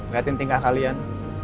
lihat tingkah kalian